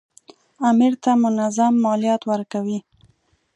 امیر ته منظم مالیات ورکوي.